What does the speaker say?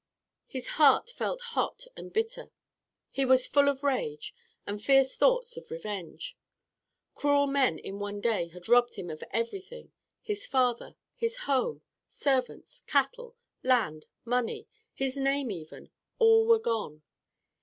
His heart felt hot and bitter. He was full of rage and fierce thoughts of revenge. Cruel men in one day had robbed him of everything. His father, his home, servants, cattle, land, money, his name even, all were gone.